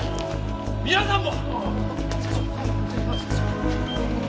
皆さんも！